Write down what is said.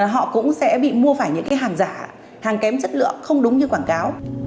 họ cũng sẽ bị mua phải những cái hàng giả hàng kém chất lượng không đúng như quảng cáo